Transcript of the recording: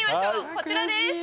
こちらです。